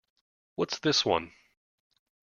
What's this one?